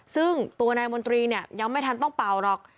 ซึ่งตัวนายมนตรีเนี่ยยังไม่ทันต้องเป่าหรอก